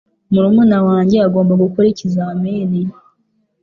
Murumuna wanjye agomba gukora ikizamini.